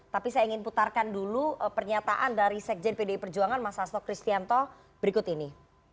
tapi saya ingin putarkan dulu pernyataan dari sekjen pdi perjuangan mas hasto kristianto berikut ini